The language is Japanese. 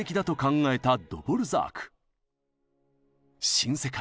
新世界